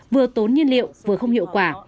vừa tốn nhiên liệu vừa không hiệu quả